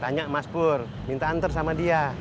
tanya mas pur minta antar sama dia